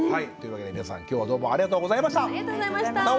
というわけで皆さん今日はどうもありがとうございました。